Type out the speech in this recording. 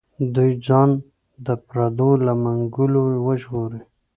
دوی ځان د پردیو له منګولو وژغوري.